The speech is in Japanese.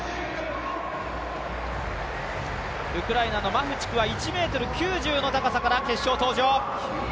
ウクライナのマフチクは１ｍ９０の高さから決勝登場。